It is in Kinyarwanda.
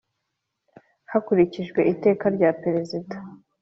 Hakurikijwe Iteka rya Perezida